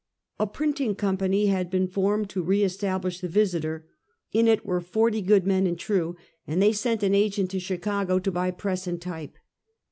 A printing company had been formed to re establish the Visiter, In it were forty good men and true, and they sent an agent to Chicago to buy press and type.